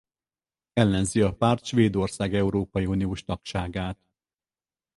Ellenzi a párt Svédország európai uniós tagságát.